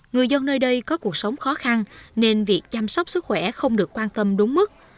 người dân nơi đây có cuộc sống khó khăn nên việc chăm sóc sức khỏe không được quan tâm đúng mức